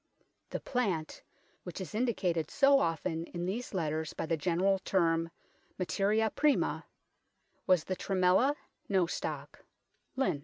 The plant, which is indicated so often in these letters by the general term " Materia prima," was the Tremella Nostock (Linn.).